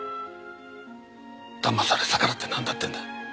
だまされたからってなんだってんだ。